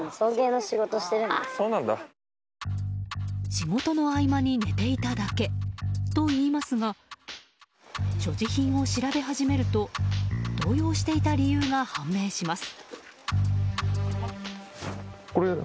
仕事に合間に寝ていただけといいますが所持品を調べ始めると動揺していた理由が判明します。